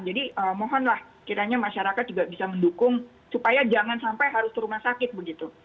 jadi mohonlah kiranya masyarakat juga bisa mendukung supaya jangan sampai harus ke rumah sakit begitu